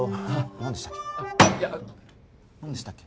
何でしたっけ？